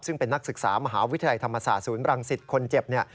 ซึ่งเป็นนักศึกษามหาวิทยาลัยธรรมศาสตร์ศูนย์รังสิตคนเจ็บเนี่ย